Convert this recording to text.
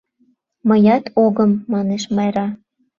— Мыят огым, — манеш Майра.